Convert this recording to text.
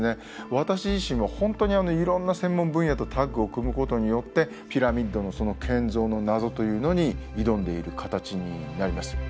私自身も本当にいろんな専門分野とタッグを組むことによってピラミッドの建造の謎というのに挑んでいる形になります。